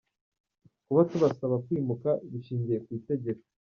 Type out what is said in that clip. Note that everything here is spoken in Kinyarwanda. Kuba tubasaba kwimuka bishingiye ku itegeko.